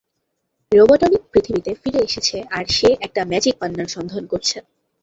Robotnik পৃথিবীতে ফিরে এসেছে আর সে একটা ম্যাজিক পান্নার সন্ধান করছে।